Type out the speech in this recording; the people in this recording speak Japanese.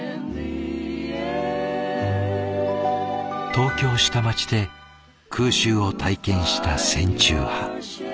東京下町で空襲を体験した戦中派。